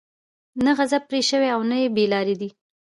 نه غضب پرې شوى او نه بې لاري دي.